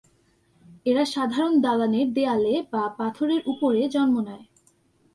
এরা সাধারণ দালানের দেয়ালে বা পাথরের উপরে জন্ম নেয়।